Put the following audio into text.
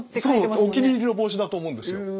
そうお気に入りの帽子だと思うんですよ。